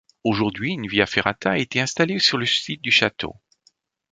Aujourd'hui, une via ferrata a été installée sur le site du château.